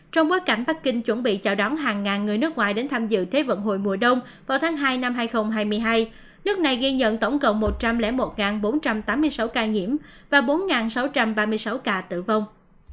trong bối cảnh bắc kinh chuẩn bị chào đón hàng ngàn người nước ngoài đến tham dự thế vận hội mùa đông vào tháng hai năm hai nghìn hai mươi hai nước này ghi nhận tổng cộng một trăm linh một bốn trăm tám mươi sáu ca nhiễm và bốn sáu trăm ba mươi sáu ca tử vong